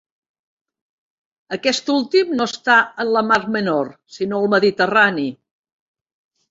Aquest últim no està en la Mar Menor, sinó al Mediterrani.